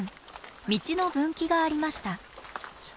道の分岐がありました。